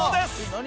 何？